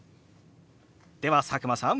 では佐久間さん